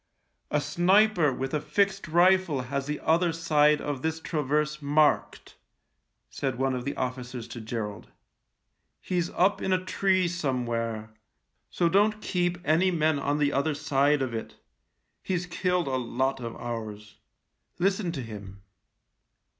" A sniper with a fixed rifle has the other side of this traverse marked," said one of the officers to Gerald. " He's up in a tree somewhere — so don't keep any men on the other side of it. He's killed a lot of ours. Listen to him."